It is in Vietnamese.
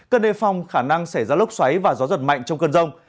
cần đề phòng khả năng xảy ra lốc xoáy và gió giật mạnh trong cơn rông